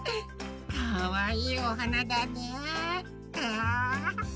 かわいいおはなだね。